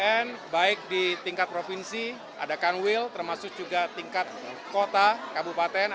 kemudian baik di tingkat provinsi ada kanwil termasuk juga tingkat kota kabupaten